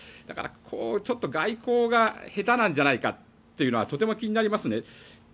だから、ちょっと外交が下手なんじゃないかというのはとても気になりますね。